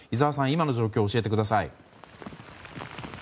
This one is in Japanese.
今の状況を教えてください。